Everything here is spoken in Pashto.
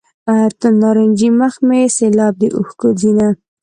نارنجي مخ مې سیلاب د اوښکو ځینه.